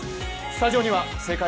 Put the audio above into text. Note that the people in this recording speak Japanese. スタジオには世界